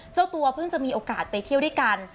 เจ้าตัวเพิ่งจะมีโอกาสไปเที่ยวด้วยกัน